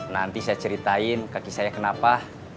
nanti saya ceritain kaki saya kenapa